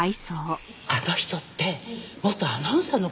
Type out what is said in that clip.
あの人って元アナウンサーの方よね？